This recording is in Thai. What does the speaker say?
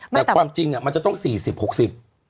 แต่ความจริงอ่ะมันจะต้องสี่สิบหกสิบ